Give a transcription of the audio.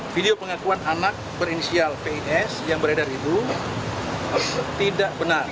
video pengakuan anak berinisial pis yang beredar itu tidak benar